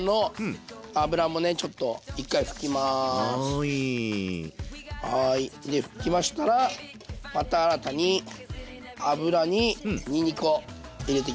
はいで拭きましたらまた新たに油ににんにくを入れてきます。